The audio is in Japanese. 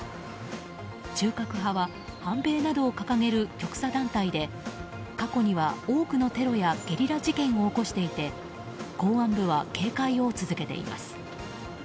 中核派は、反米などを掲げる極左団体で過去には多くのテロやゲリラ事件を起こしていて公安部は警戒を続けています。